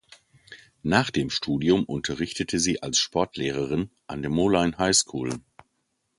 Nach dem Studium unterrichtete sie als Sportlehrerin an der Moline High School.